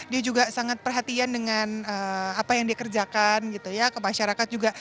dia juga sangat perhatian dengan apa yang dia kerjakan gitu ya ke masyarakat juga